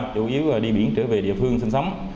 chủ yếu đi biển trở về địa phương sinh sống